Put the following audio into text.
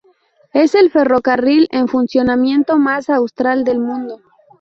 Es el ferrocarril en funcionamiento más austral del mundo.